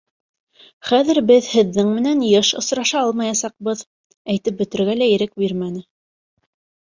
Хәҙер беҙ һеҙҙең менән йыш осраша алмаясаҡбыҙ. — әйтеп бөтөргә лә ирек бирмәне.